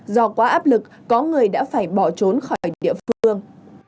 do quá áp lực có người đã phải bỏ trốn khỏi địa phương